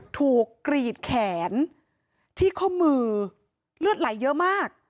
กรีดแขนที่ข้อมือเลือดไหลเยอะมาก